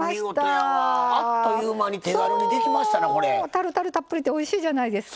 タルタルたっぷりっておいしいじゃないですか。